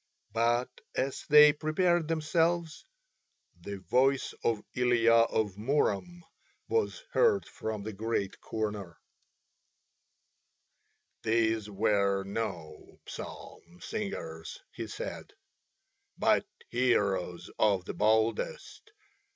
But as they prepared themselves the voice of Ilya of Murom was heard from the great corner: "These were no psalm singers," he said, "but heroes of the boldest.